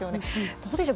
どうでしょう？